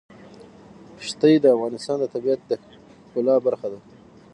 ښتې د افغانستان د طبیعت د ښکلا برخه ده.